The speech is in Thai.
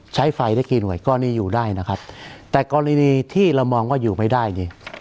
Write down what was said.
ใช้ไฟได้กี่หน่วยกรณีอยู่ได้นะครับแต่กรณีที่เรามองว่าอยู่ไม่ได้นี่